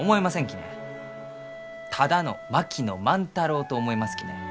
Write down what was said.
ただの槙野万太郎と思いますきね。